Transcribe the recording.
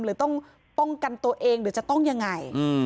หรือต้องป้องกันตัวเองหรือจะต้องยังไง